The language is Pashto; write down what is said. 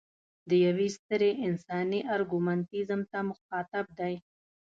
د یوې سترې انساني ارګومنټیزم ته مخاطب دی.